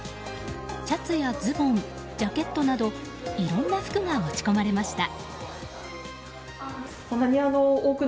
シャツやズボン、ジャケットなどいろんな服が持ち込まれました。